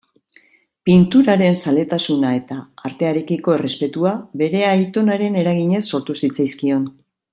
Pinturaren zaletasuna eta artearekiko errespetua bere aitonaren eraginez sortu zitzaizkion.